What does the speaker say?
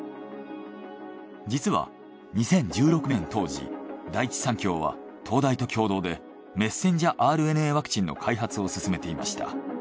実は２０１６年当時第一三共は東大と共同でｍＲＮＡワクチンの開発を進めていました。